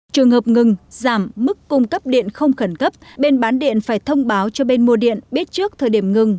trường hợp ngừng giảm mức cung cấp điện không khẩn cấp bên bán điện phải thông báo cho bên mua điện biết trước thời điểm ngừng